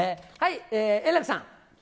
円楽さん。